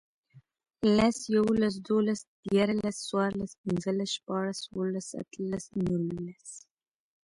لس, یوولس, دوولس, دیرلس، څوارلس, پنځلس, شپاړس, اووهلس, اتهلس, نورلس